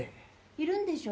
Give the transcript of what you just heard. いるんでしょ？